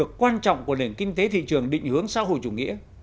một động lực quan trọng của nền kinh tế thị trường định hướng xã hội chủ nghĩa